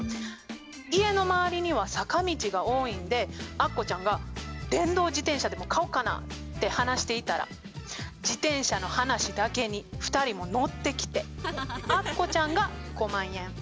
家の周りには坂道が多いんでアッコちゃんが「電動自転車でも買おっかな」って話していたら自転車の話だけに２人も乗ってきて。